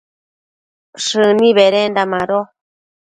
shëni bedenda mado